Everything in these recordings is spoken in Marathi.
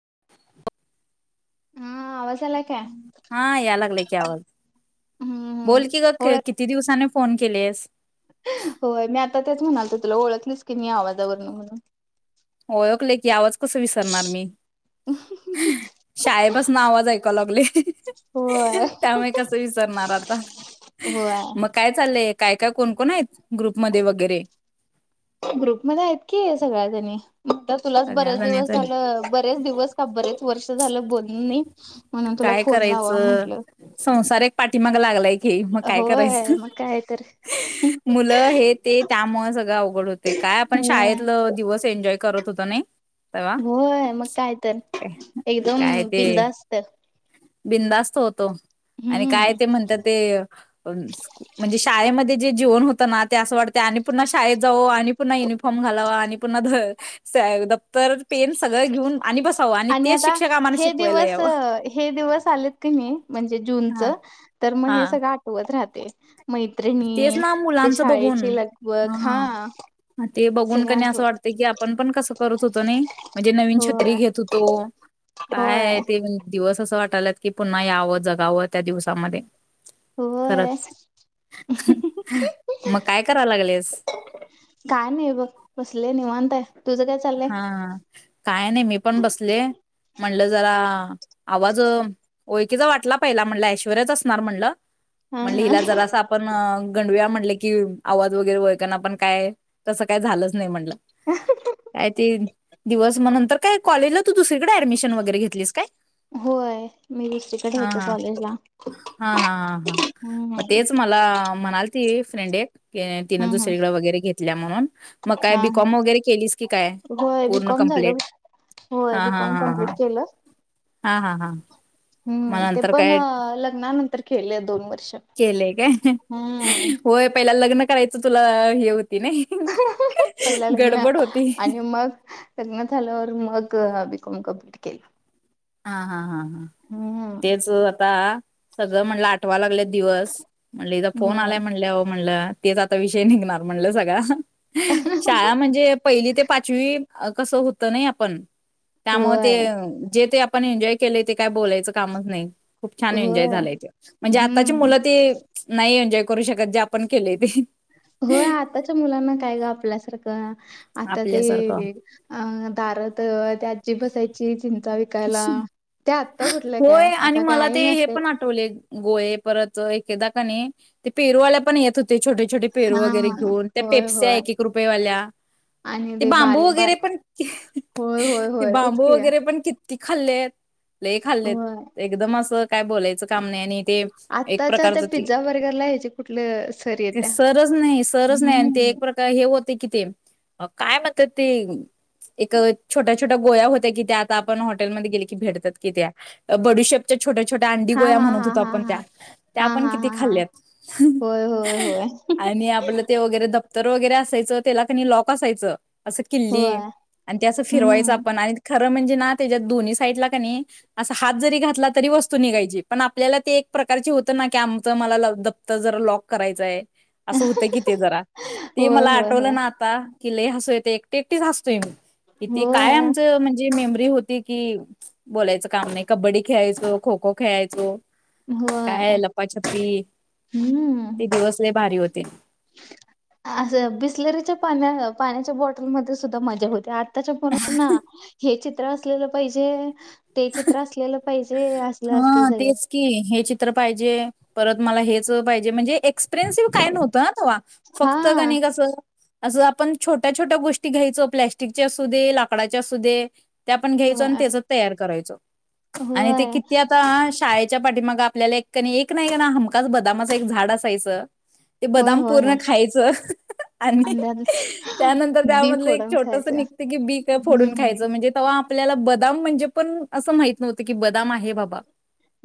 [unintelligible] हा आवाज आलाय काय? हा या लागला की आवाज हम्म हम्म बोल की ग किती दिवसाने फोन केलेस हो मी आता तेच म्हणालत तुला ओळखलीस की नाही आवाजावरन म्हणून ओळखले की आवाज कसा विसरणार मी शाळेपासून आवाज ऐक लागले होय. त्यामुळे कस विसरणार आता होय मग काय चाललंय काय काय कोणकण आहेत ग्रुप म वगैरे ग्रुपमध्येध्ये आहेत की सगळ्या त्यांनी तुलाच सगळ्या बरेच दिवस जण्याच झालं बरेच दिवस का बरेच वर्ष झालं बोलून नाही. म्हणून तुला काय फोन लावा करायचं म्हटलं. संसार एक पाठीमाग लागलाय मग काय होय करायचं मग काय तर मुलं हे ते त्यामुळे सगळं अवघड होते काय आपण होय शाळेतलं दिवस एन्जॉय करत त नाही तेव्हा होय मग काय तर काय एकदम काय हम् बिंद ते असत बिंदास्त होतो आणि काय ते म्हणतात ते म्हणे शाळेमध्ये जे जीवन होतं ना ते असं वाटते आणि पुन्हा शाळेत जाऊ आणि पुन्हा युनिफॉर्म घालाव आणि पु द्तर पेन सगळं घेऊन आणि बसावं आणि तेच शिक्षक आम्हाला शिकवायला यावं म्हण जग हा सळ आ राह तेच ना मुलांच बघून लगबग हा ह ते बघून सगळं कनी असं आठवत वाटतं की आपण पण कसं करत होतो ना म्हणजे नवीन छत्री होय घेत होतो होय काय ते दिवस असं वाटत टत की पुन्हा यावं जगावं त्या दिवसामध्ये हो आहे खरंच मग काय कराव लागलेस अ ते हा काय नाही मी पण बसले म्हटलं जरा आवाजय किं वाटला पहिला म्हण ऐश्वरयच असणार म्हणलं हा म्हण हा हिला जरा आपण गं म्ह आवाज वगैरे व पण काय तसं काय झालंच नाही म्हटलं ह काय ते दिवस. म नंतर काय कॉलेजला त दुसळीकड ऍडमिशन वगैरे घेतलीस काय? होय मी दुसरीकडे होते हां-हां, कॉलेजला हां-हां-हां हम्म ते फ्रेंड एक ते तिनं हम्म हम्म दुसरीेडं वगैरे घेत तल्या म्हणून? मग काय हा बी हा कॉम वगैरे केलीस? काय होय, बी पूर्ण कॉम झालंय. कंप्लीट होय, हा बी हा कॉम हा कमप्लीट हा केलं. हा हा हा मग हम्म, ते नंतर पण काय लग्नानंतर केले दोन वर्ष. केलंय काय हम्म. होय पहिला लग्न करायचं तुला हे होत पहिला लग्न. होती आणि मग लग्न झाल्यावर मग आवीत [unintelligible] हां-हां-हां हं, तेच आता सगळं म्हणलं आठवा लागले दिवस. म्हणले हिजा फोन होय. आलाय म्हणल्याव म्हणलं तेच आता विषय निघणार म्हणलं सगळा. शाळा म्हणजे पहिली ते पाचवी अं कसं होतं नई आपण. त्यामुळे ते, होय. जे ते अप पण एन्जॉय केले ते काय बोलायचं कामच नाई. खूप छान एन्जॉय होय. झालाय तो, म्हणजे आताची हम्म. मुलं ते नाही एन्जॉय करू शकत जे आपण केलेत. होय आताच्या मुलांना काय ग आपल्यासारखं आता आपल्यासारखं ते अं दारद त्या आजिबस ची चीन जा विकायला. त्यात होय, आणि मला ते हे पण आठवले गोळे परत एकेदा कनी, ते पेरूवाल्या पण येत होत् ते छोटे छोटे पेरू हा वगैरे घेऊन, त्या होय पेपस्या होय. एक एक रुपये वाल्या, आणि ते बांबू बारीक वगैरे बारीक पण, होय होय ते होय तेच बांबू की वगैरे पण कि ती खाल्लेत खाल्लेत, होय. एकदम असं काय बोलायचं काम नाही आणि ते एक आत्ताच्या त्या प्रकारचं ते, पिझ्झा बर्गरला ह्याची कुठली सर ते येत्या. सरज नाही सरज नाही आणि ते हम्म एक प्रका हे होते कि ते? काय म्हणतात ते, एक छोट्या छोट्या गोळ्या होत्या की त्या आता आपण हॉटेलमध्ये गेले की भेटतात कि त्या. बडीशपच्या छोट्या छोट्या अंडी हा गोळ्या हा म्हणत हा होत हा आपण हा त्या त्या हा आपण हा किती हा हा खाल्ल्यात होय होय होय आणि आप ते वगैरे तर वगैरे असायचं त्याला कणी लॉक असायचं असं किल्ली होय आणि ते असं फिरवायचं हम्म आपण आणि ख म्हणजे ना त्याच्या दोन्ही साईडला काणि असा हात जरी घातला तरी वस्तू निघायची पण आपल्याला ते एक प्रकारची होतं ना की आमचं मला दप्तर जरा लॉक करायचंय असं होतं कि ते जरा ते होय मला होय आठवलं होय ना आता कि ल हसतूयेत एकटे एकटी हसतोय मी किती काय होय आमचं म्हणजे मेमरी होती कि बोलायचं काम नाही कबड्डी खेळायचो खो खो खेळायचो काय होय लपाछप्पी हम्म ती दिवस लयी भारी होते ते असं बिसलेरीच्या पाण्या पाण्याच्या बॉटलमध्ये सुद्धा मजा होती आताच्या ब ना हे चित्र असलेलं पाहिजे ते चित्र असलेलं पाहिजे असलं असते हा सगळं तेस की हेच तर पाहिजे परत मला हेच पाहिजे म्हणजे एक्सप्रेन्सिव्ह काय नव्हतं ना तेव्हा हा फक्त का नाही कसं असं आपण छोट्या छोट्या गोष्टी घ्यायचो प्लॅस्टिकच्या असू दे लाकडाच्या असू दे ते आपण घ्यायचो आणि त्याच तयार करायचो हो तेी आता शाळेच्या पाठी मग आपल्याला एक कणी एक ना एक ना हमखच बदामाच एक झाड असायचं ते होय बदाम होय पूर्ण होय खायचं आणि अंदाज त्यानंतर बी त्यामधलं एक फोडून छोटस खायचं निघत की बीक फोडून हम्म खायचं म्हणजे तेव्हा आपल्याला बदाम म्हणजे पण असं माहत नव्हतं की बदाम आहे बाबा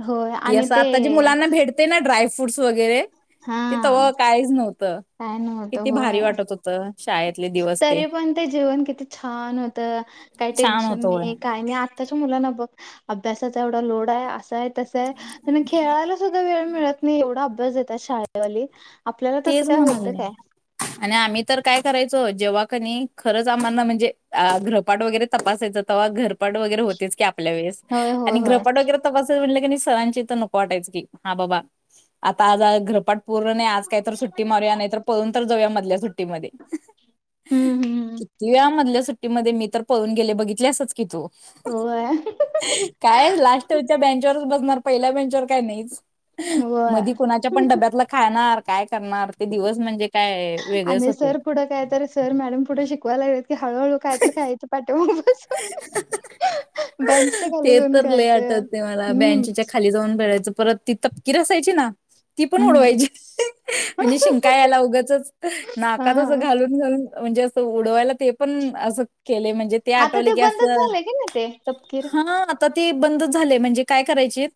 होय की आणि असं आता जी ते मुलांना भेटते ना ड्रायफ्रूट फूडस वगैरे हा तेथव काहीच नव्हत काय नव्हतं किती भारी होय वाटत होत तरी पण ते जीवन किती छान होतं काही छान टेन्शन होत होय नाही काय नाही आत्ताच्या मुलांना बघ अभ्यासाचा एवढा लोड आहे असा आहे तस आहे खेळाला सुद्धा वेळ मिळत नाही एवढा अभ्यास देतात शाळेवाली आपल्याला तसं तेच काय होतं म्हणाले काय आणि आम्ही तर काय करायच जेव्हा खरंच आम्हाना म्हणजे घ्रपाट वगैरे तपासायचं तेव्हा घरपाट वगैरे होतेच की आपल्या वस होय होय आणि होय ग्रहपट वगैरे त सरां तर नको वाटायच क हा बा आता आज पूण काहीत सुट्टी मारूया नाहीतर पळून तर जाऊया. मधल्या सुट्टीमध्ये हम्म हम्म किती वे मधल्या सुट्टी ीध्ये मी तर पळून गेले बघितल्यासच की तू होय काय लास्च्या बेंच व बणार पहि वेंचर काय नाही. होय मधी कुणाच्या पण डब्यातला खाणार. काय करणार ते दिवस म्हणजे काय वेगळेच आणि होते सर पुढं काय तर सर मॅडम पुढे शिकवाय लागेल. की हळूहळू काय तर खायचं पाठे बेंचच्या खाली ते जाऊन तर लय खायचं आठवते. मला हम्म बच्याच्या खाली जाऊन भेळायचं परत ती तपकीिर असयची ना ती पण हम्म उडवायची म्हणजे शिंका यायला उगचच नाकातच हा घालून घालून म्हणजे असं उडवायला ते पण असं केले म्हणजे आता आठवले ते की बंदच असं झालंय. की नाही ते तपकीिर हा आता ते बंद झाले म्हणजे काय करायचे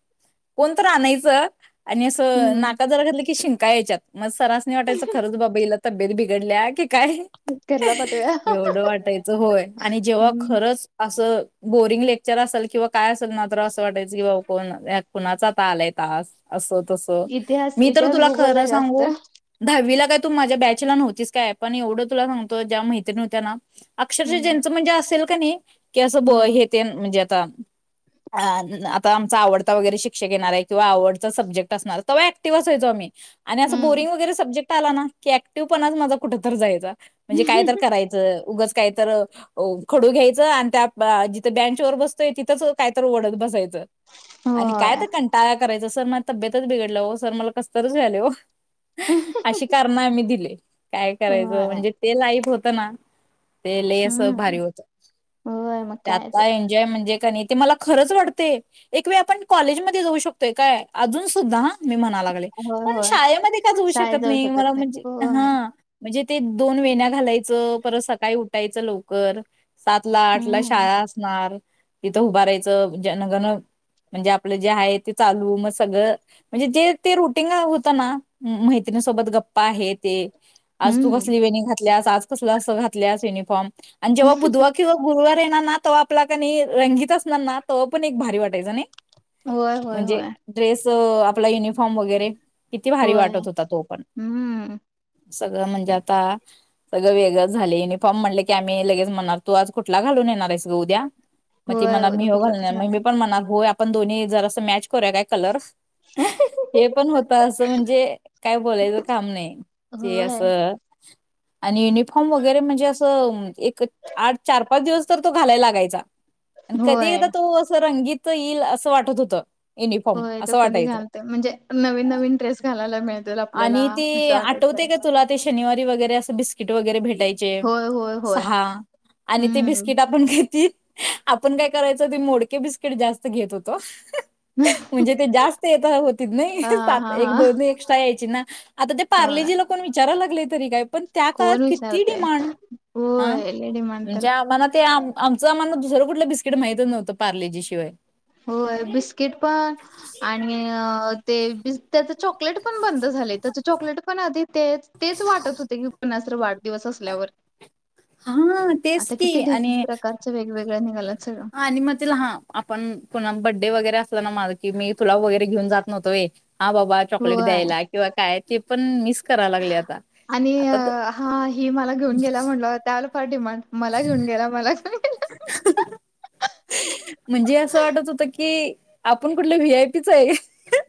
कोणत आणायचं. आणि असं हम्म नाका जरा घातलं की शिंक कायच्यात मग सरास नि वाटायचं खरच बाबाईला धबेेत बिघडल्या्या क काय घरला पाठवूया. एवढं वाटायचं होय. आणि ते हम्म खच बोरिंग लेक्चर असल किंवा काय असेल मात्र असं वाटायचं. की बा कोण कुणाच आता आलाय तास अस इतिहास मी तर इतिहास तुला भूगोलला खर सांग जास्त. दहा तू माझ्या बॅचला नव्हतीस काय पण एवढं तुला सांतो ज्या माहित नवत्या ना अक्षरश हम्म. ज म्हणजे असेल का नाही. की असं ब हम्म हे ते म्हणजे आता आमचा आवडता वगैरे शिक्षक येणार आहे. किंवा आवडचा सब्जेक्ट असणार. तेव्हा ऍक्टिव्हच वयचो आम्ही आणि असं हम्म. बोरिंग वगैरे सब्जेक्ट आला ना की क्टिव्ह पणच माझ कुठेत तर जायच. म्हणजे काय तर करायचं उग काहीत हो खडू घ्यायचं आणि त्या बँच वर बसतोय तिथंच कायत ओढत बसायचं आणि काय होय तर कंटा करायचं सर म तब्यतच बिघडलं हो सर मला कसतरच व्यायले हो अशी कारण आम्ही दिले काय करायचं होय म्हणजे ते लाईफ होत ना ते हम्म. भारी होत होय मग काय त्या तर एनजॉय म्हणजे नाही ते मला खरंच वाटते एक वेळ आपण कॉलेजमध्येध्ये जाऊ शकतोय काय अजून सुद्धा मी म्हणाला लागले होय पण होय शाळेमध्ये काच होऊ शाळेत शकत जाऊ नाही मला म्हणजे हा होय. म्हणजे ते दोन वेण्या्या घालायचं परत सकाळी उठायचं लवक कर सातला, आठला हम्म शाळा असणार तिथं उभारायचं जनगण म्हणजे आपलं जे आहे ते चालू मग सगळं म्हणजे जे ते रुटीन होतं ना मैत्रिणीसोबत गप्पा आहे ते आज तू हम्म कसली वेणी घात घल्यास आज कस अस घातल्यास युनिफॉर्म आणि जेव्हा बुधवार किंवा गुरुवार येणार तवा आपला कनी रंगीत असणार ना तवा पण एक भारी वाटायचा नाही. होय होय होय. तो आपला युनिफॉर्म वगैरे किती भारी होय. वाटत होता तो पण हम्म सगळं म्हणजे आता सगळं वेगळं झालय युनिफॉर्म म्हणले की आ मी लगेच म्हणार तू आज कुठला घालून येणार आहेस ग उद्या? मग ती होय म्हणार मी उद्या ह्यो कुठलं तरच घालून मग गाणं मी आहे. पण म्हणार ह्यो पण दोनही जरास मॅच करूया काय कलर्स हे पण होत असं म्हणजे काय बोलायचं काम नाही जे होय असं आणि युनिफॉर्म वगैरे म्हणजे असं एक, आठ, चार, पाच दिवस तर तो घालाय लागायचा. आणि कधी होय एकदा तो असं रंगीत येईल असं वाटत होतं. युनिफॉर्म होय तो असं कधी वाटायचं घालतोय म्हणजे नवीन नवीन ड्रेस घालायला मिळतील आपल्याला आणि ते असं वाटायचं त्यावेळेला किट वगैरे भेट होय होय. सहा आणि ते हम्म बिस्किट आपण घेत आपण काय करायचो ते मोडके बिस्किट जास्त घेत होतो. म्हणजे ते जास्त येत होतीत नइ हा हा सात, एक, हा दोन एक्स्ट्रा यायची ना. आता ते होय पारलेजिला कोण विचारायला लागलेत. तरी काय पण त्या काळात कोण किती विचारतय डिमांड हं होय लय डिमांड म्हणजे त्याला आम्हाला ते आम आमच आम्हाला दुसर कुठलं बिस्कीट माहित नव्हंत पार्लेजी शिवाय होय बिस्किट पण आणि ते बी त्याच चॉकलेट पण बंद झाले. त्याच चॉकलेट पण आधी ते तेच वाटत होते की वाट. दिवस असल्यावर हा तेच की आणि गळ निघाल्यात. सगळं हा आणि मग तिला हा आपण पुन बड्डे वगैरे असला ना माझ की तुला वगैरे घेऊन जात नवतो होय. हा बाबा चॉकलेट होय द्यायला किंवा काय ते पण मिस कराय लागले आता आणि आता त. अ, पाठीमाग. मला घेऊन गेला, मला घेऊन. गेला. म्हणजे असं वाटत होत की आपण कुठलं व्ही आय पी च आहे.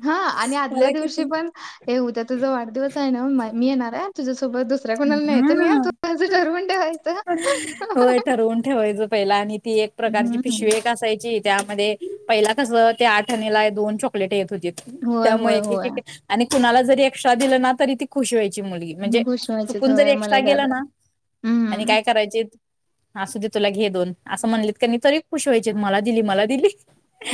हा आणि आदल्या मला दिवशी किती पण, हे उद्या तुझा वाढदिवस आहे ना मी येणार आहे हं. तुझ्या हा ठरवून ठेवायचं." होय ठरवून ठेवायचं पहिला आणि ती एक प्रकारची हं, हं. पिशवी एक असायची त्यामध्ये पहिला कसं. ते आठ आण्याला दोन चॉकलेट येत. होय, त्यामुळे होय, एक होय. एक आणि कुणाला जरी एक्स्ट्रा दिलं ना तरी ती खुशी व्हाय.. ची मुलगी म्हणजे मग खुश व्हायचीत चुकून जरी होय एक्स्ट्रा मला गेला जादा. ना आणि हं, काय करायचे असुदे तुला घेे. असं म्हणलेत कणी तरी खुश वायचे मला दिली मला दिली.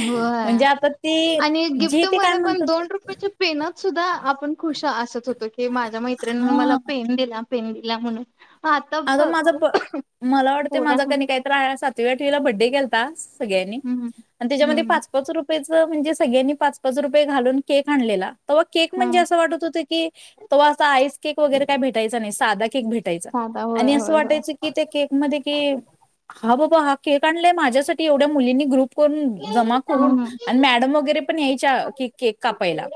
होय. म्हणजे आता ती आणि जी ते काय गिफ्टमध्ये पण म्हणतात दोन रुपयाच्या पेनात सुद्धा आपण खुश असत हो.. तो की माझ्या मैत्रिणीन मला हा पेन दिला. पेन दिला म्हणून आता आग बघ माझं ब.. मला वाटते पोरा माझा कनी काहीतर आहे सात... तुव्या टीला बड्डे केेलतास सगळ्यानी हं, हं, आणि त्याच्या मध्ये हं, पाच-पाच रुपेयच.. म्हणजे सगळ्यांनी पाच पाच रुपये घालून केक आणलेला तेव्हा केक म्हणजे हं, असं वाटत होत की तवा असं आईस.. केक वगैरे काय भेटायचं नाही साधा केक भेटायचा. साधा होय, आणि असं होय, होय. वाटायचं कि त्या केक मध्ये कि ह ब हा केक आणलाय माझ्यासाठी एवढ्या मुलींनी ग्रप फोन जमा करून हं, अन मॅडम वगैरे पण यायच्या क केक कापायला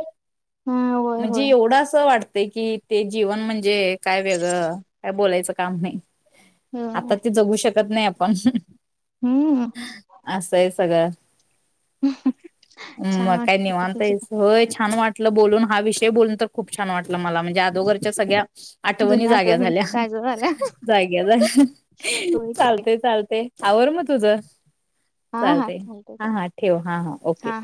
हं, होय, म्हणजे होय, एवढस वाटत ते की ते जीवन म्हणजे काय वेगळं काय बोलायचं काम नाही होय. आता ते जगू शकत नाही आपण हं, ह्म्म असहे सगळं हम् छान म वाटत काय होत नावांत तुझ्या आहेस होय छान वाट तुला बोलून हा विषय बोलून तर खूप छान वाटत मला म्हणजे आगोदरच्या सगळ्या आठवणी जुन्या जाग्या झाल्या ताज्या झाल्या. जाग्या झाल्या होय की, चालते चालते आवर म तुझ हां, हां, चालतय चालतंय, हा चालतंय. हा ठेव हा हा ओके हां.